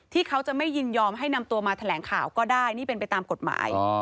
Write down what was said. เขาจะไม่ยินยอมให้นำตัวมาแถลงข่าวก็ได้นี่เป็นไปตามกฎหมาย